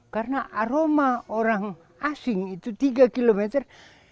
karena aroma orang asing itu tiga kilometer